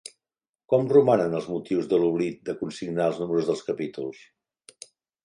Com romanen els motius de l'oblit de consignar els números dels capítols?